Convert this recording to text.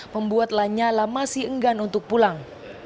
membuat lanyala masih enggan untuk pulang